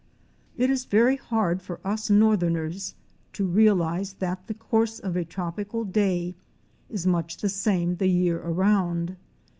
It is very hard for us Northerners to realize that the course of a tropical day is much the same the year around.